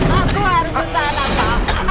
aku harus ke sana pak